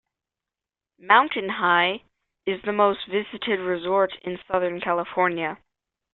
Mountain High is the most-visited resort in Southern California.